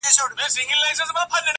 ز ماپر حا ل باندي ژړا مه كوه.